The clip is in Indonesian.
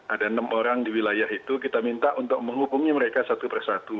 ada enam orang di wilayah itu kita minta untuk menghubungi mereka satu persatu